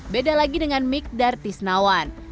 beda lagi dengan mik darti senawan